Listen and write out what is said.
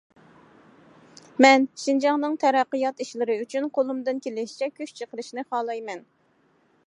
مەن شىنجاڭنىڭ تەرەققىيات ئىشلىرى ئۈچۈن قولۇمدىن كېلىشىچە كۈچ چىقىرىشنى خالايمەن.